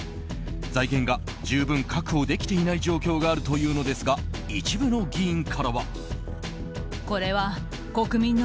財源が十分確保できていない状況があるというのですが一部の議員からは。